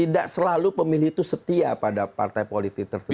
tidak selalu pemilih itu setia pada partai politik tertentu